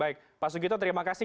baik pak sugito terima kasih